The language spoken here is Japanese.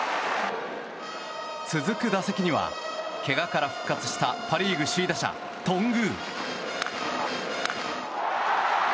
続く打席には、けがから復活したパ・リーグ首位打者、頓宮。